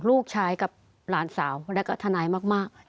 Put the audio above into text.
ลูกชายกับหลานสาวแล้วก็ทนายมาก